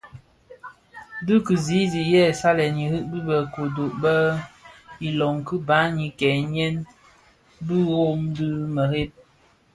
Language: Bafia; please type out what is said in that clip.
Dhi ki zizig yè salèn irig bi bë kodo bë ilom ki baňi kè nyèn nyèn (bighök dhi mereb).